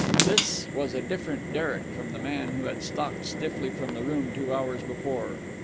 This was a different Derek from the man who had stalked stiffly from the room two hours before.